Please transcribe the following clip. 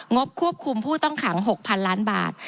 บควบคุมผู้ต้องขัง๖๐๐๐ล้านบาท